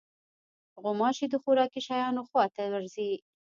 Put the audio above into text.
غوماشې د خوراکي شیانو خوا ته ورځي.